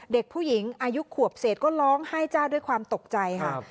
เด็กผู้หญิงอายุขวบเศษก็ร้องไห้จ้าด้วยความตกใจค่ะ